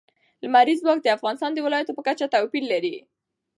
لمریز ځواک د افغانستان د ولایاتو په کچه توپیر لري.